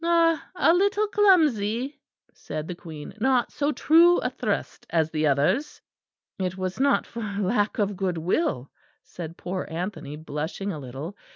"Ah, a little clumsy!" said the Queen; "not so true a thrust as the others." "It was not for lack of good will," said poor Anthony blushing a little.